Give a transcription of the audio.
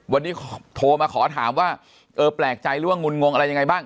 วันนี้โทรมาขอถามว่าเออแปลกใจหรือว่างุนงงอะไรยังไงบ้าง